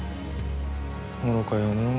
愚かよのう。